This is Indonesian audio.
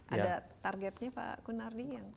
ada targetnya pak kunardi